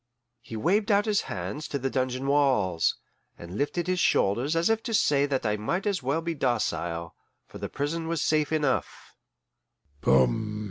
He waved out his hands to the dungeon walls, and lifted his shoulders as if to say that I might as well be docile, for the prison was safe enough.